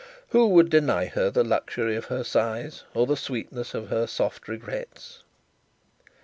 Who would deny her the luxury of her sighs, or the sweetness of her soft regrets!